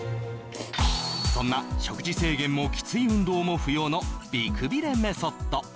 そんな食事制限もキツイ運動も不要の美くびれメソッド